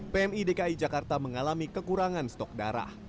pem idki jakarta mengalami kekurangan stok darah